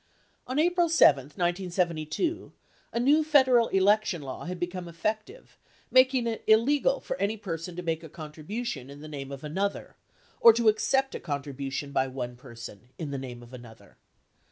On April 7, 1972, a new Federal election law had become effective making it illegal for any person to make a contribution in the name of another, or to accept a contribution by one person in the name of an other.